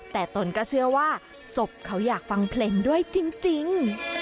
แต่ตนก็เชื่อว่าศพเขาอยากฟังเพลงด้วยจริง